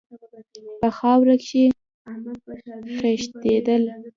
په خاوره کښې خښېدل